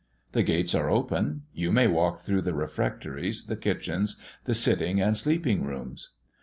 The gates are open. You may walk through the refectories, the kitchens, the sitting and sleeping rooms.